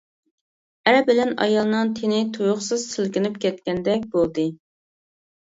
ئەر بىلەن ئايالنىڭ تېنى تۇيۇقسىز سىلكىنىپ كەتكەندەك بولدى.